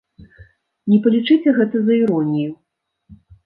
Не палічыце гэта за іронію.